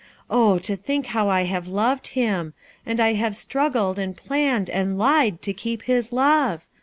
Oh, to think how I have loved him! and I have struggled and planned and lied to keep his love